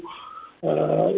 seribu seratus warga tokyo